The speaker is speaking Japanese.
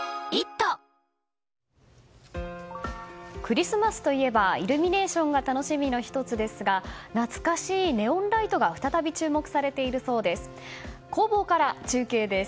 クリスマスといえばイルミネーションが楽しみの１つですが懐かしいネオンライトが再び注目されているそうです。